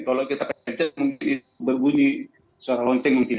kalau kita pence mungkin berbunyi suara lonceng mungkin